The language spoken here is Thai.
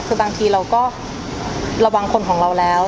คือบางทีเราก็ระวังคนของเราแล้ว